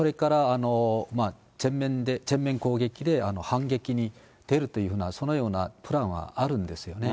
それから全面攻撃で反撃に出るというふうな、そのようなプランはあるんですよね。